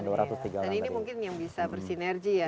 dan ini mungkin yang bisa bersinergi ya